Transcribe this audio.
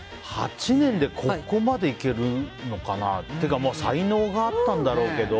８年でここまでいけるのかな？というか才能があったんだろうけど。